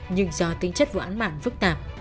nhưng do tính chất vụ án mạng phức tạp